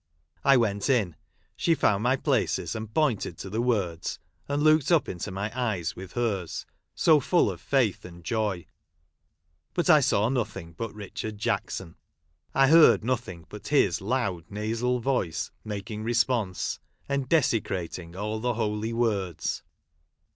I went in ; she found my places, and pointed to the words, and looked up into my eyes with hers, so full of faith and joy. But I saw nothing but Richard Jackson — I heard nothing but his loud nasal voice, making response, and de secrating all the holy words.